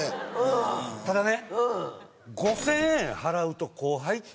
ただね。